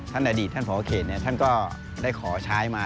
ท่านอดีตท่านพเขตรนี่ท่านก็ได้ขอใช้มา